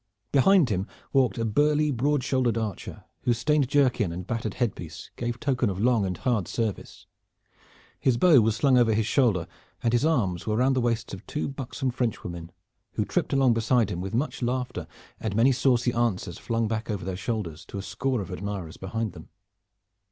Behind him walked a burly broad shouldered archer, whose stained jerkin and battered headpiece gave token of long and hard service. His bow was slung over his shoulder, and his arms were round the waists of two buxom Frenchwomen, who tripped along beside him with much laughter and many saucy answers flung back over their shoulders to a score of admirers behind them.